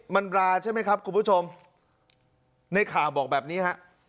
มันราใช่ไหมครับคุณผู้ชมในข่าวบอกแบบนี้ฮะ